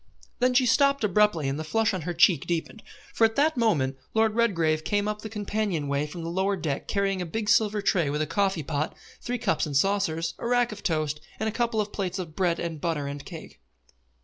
Then she stopped abruptly and the flush on her cheek deepened, for at that moment Lord Redgrave came up the companion way from the lower deck carrying a big silver tray with a coffee pot, three cups and saucers, a rack of toast, and a couple of plates of bread and butter and cake.